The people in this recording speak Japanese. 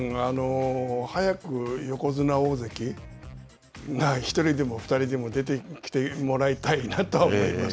早く横綱大関が１人でも２人でも出てきてもらいたいなとは思います。